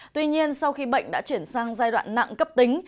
tuy nhiên sau khi bệnh đã chuyển sang giai đoạn nặng cấp tính